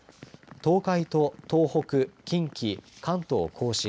東海と東北近畿、関東甲信